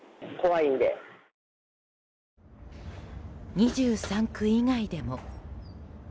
２３区以外でも。